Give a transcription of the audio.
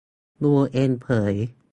ยูเอ็นเผย